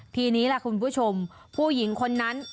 ทีนี้ล่ะคุณผู้ชมผู้หญิงคนนั้น